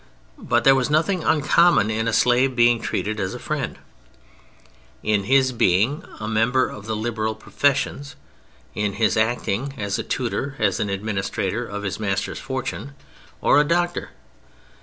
But there was nothing uncommon in a slave being treated as a friend, in his being a member of the liberal professions, in his acting as a tutor, as an administrator of his master's fortune, or a doctor.